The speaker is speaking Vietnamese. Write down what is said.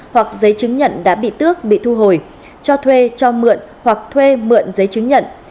hoặc giấy chứng nhận đã bị tước bị thu hồi cho thuê cho mượn hoặc thuê mượn giấy chứng nhận